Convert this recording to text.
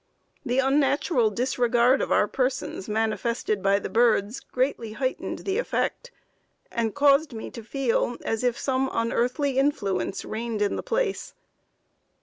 The unnatural disregard of our persons manifested by the birds greatly heightened the effect, and caused me to feel as if some unearthly influence reigned in the place.